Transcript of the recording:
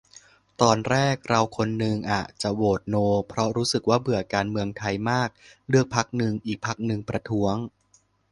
ตอนแรกเราคนนึงอะจะโหวตโน เพราะรู้สึกว่าเบื่อการเมืองไทยมากเลือกพรรคนึง อีกพรรคนึงประท้วง